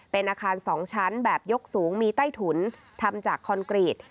เป็นอาคาร๒ชั้นแบบยกสูงมีใต้ถุนทำจากคอนกรีต